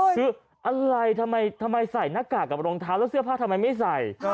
คืออะไรทำไมใส่หน้ากากกับรองเท้าแล้วเสื้อผ้าทำไมไม่ใส่